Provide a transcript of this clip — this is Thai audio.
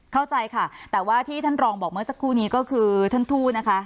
เข้าใจค่ะแต่ว่าที่ท่านรองบอกเมื่อสักครู่นี้ก็คือท่านทู่นะคะ